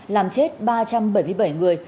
làm chết ba trăm bảy mươi bảy người